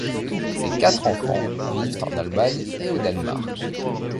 Ses quatre enfants vivent en Allemagne et au Danemark.